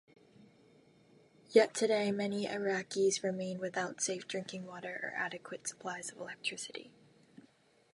Yet today many Iraqis remain without safe drinking water or adequate supplies of electricity.